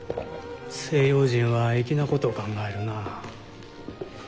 西洋人は粋なことを考えるな。